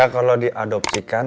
ya kalau diadopsikan